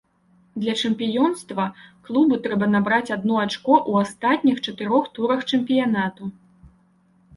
Для чэмпіёнства клубу трэба набраць адно ачко ў астатніх чатырох турах чэмпіянату.